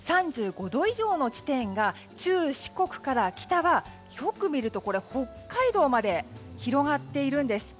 ３５度以上の地点が中四国から北はよく見ると北海道まで広がっているんです。